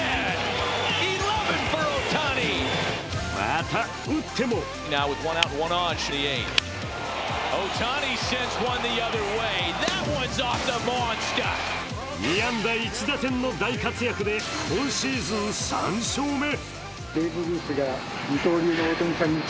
また、打っても２安打１打点の大活躍で今シーズン３勝目。